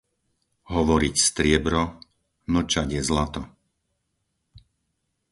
Hovoriť striebro, mlčať je zlato.